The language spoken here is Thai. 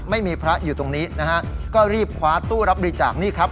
ไม่มีพระอยู่ตรงนี้นะฮะก็รีบคว้าตู้รับบริจาคนี่ครับ